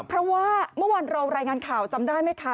เพราะว่าเมื่อวานเรารายงานข่าวจำได้ไหมคะ